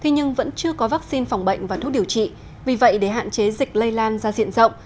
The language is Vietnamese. nhưng vẫn chưa có vaccine phòng bệnh và thuốc điều trị vì vậy để hạn chế dịch lây lan ra diện rộng